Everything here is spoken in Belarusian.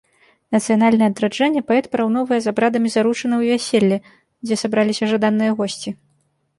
Нацыянальнае адраджэнне паэт параўноўвае з абрадамі заручынаў і вяселля, дзе сабраліся жаданыя госці.